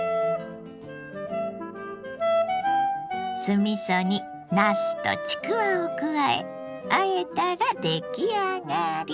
酢みそになすとちくわを加えあえたら出来上がり。